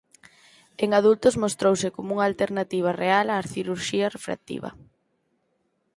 En adultos mostrouse como unha alternativa real á cirurxía refractiva.